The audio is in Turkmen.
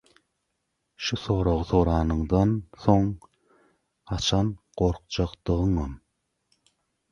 Şu soragy soranyňdan soň, haçan gorkjagyňam